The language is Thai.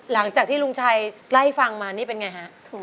หลังจากที่ลุงชัยไล่ฟังมานี่เป็นไงฮะ